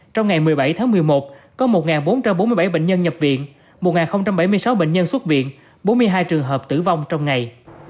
trong ngày một mươi bảy tháng một mươi một có một bốn trăm bốn mươi bảy bệnh nhân nhập viện một bảy mươi sáu bệnh nhân xuất viện bốn mươi hai trường hợp tử vong trong ngày